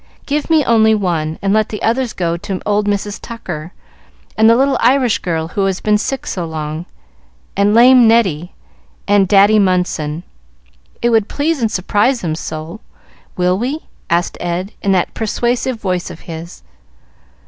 Give me only one, and let the others go to old Mrs. Tucker, and the little Irish girl who has been sick so long, and lame Neddy, and Daddy Munson. It would please and surprise them so. Will we?" asked Ed, in that persuasive voice of his.